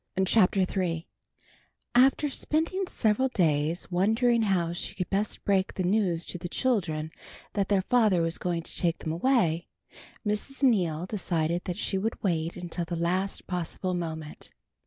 CHAPTER III AFTER spending several days wondering how she could best break the news to the children that their father was going to take them away, Mrs. Neal decided that she would wait until the last possible moment.